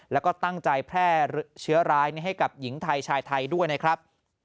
แล้วก็ตั้งใจแพร่เชื้อร้ายให้กับหญิงไทยชายไทยด้วยนะครับ